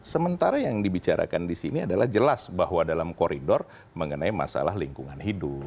sementara yang dibicarakan di sini adalah jelas bahwa dalam koridor mengenai masalah lingkungan hidup